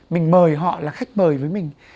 mình mời họ là khách mời với mình